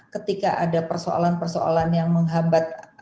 ketika ada persoalan persoalan yang menghambat